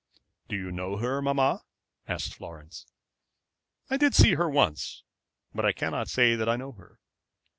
"Do you know her, mamma?" asked Florence. "I did see her once; but I cannot say that I know her.